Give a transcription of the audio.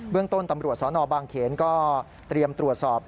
เรื่องต้นตำรวจสนบางเขนก็เตรียมตรวจสอบ